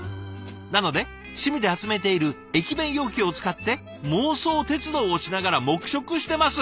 なので趣味で集めている駅弁容器を使って妄想鉄道をしながら黙食してます」。